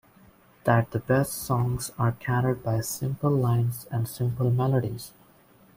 That the best songs are carried by simple lines and simple melodies.